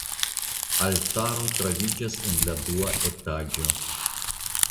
Altaro troviĝis en la dua etaĝo.